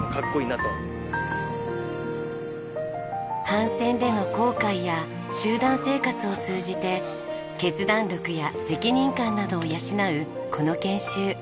帆船での航海や集団生活を通じて決断力や責任感などを養うこの研修。